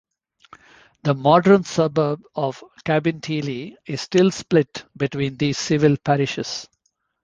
The modern suburb of Cabinteely is still split between these civil parishes.